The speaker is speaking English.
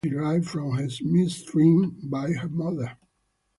Her feelings for the town derive from her mistreatment by her mother.